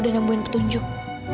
sudah nemuin petunjuk